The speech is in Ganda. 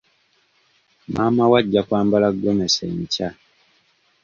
Maama we ajja kwambala gomesi enkya.